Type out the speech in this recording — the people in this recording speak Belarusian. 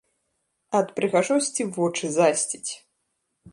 Ад прыгажосці вочы засціць!